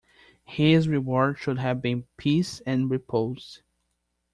His reward should have been peace and repose.